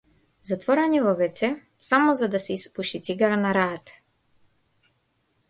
Затворање во вц само за да се испуши цигара на раат.